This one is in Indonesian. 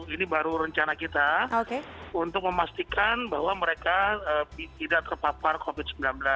ini baru rencana kita untuk memastikan bahwa mereka tidak terpapar covid sembilan belas